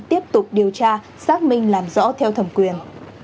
tiếp tục điều tra xác minh làm rõ theo thẩm quyền